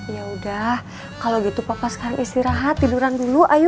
yaudah kalau gitu papa sekarang istirahat tiduran dulu ayo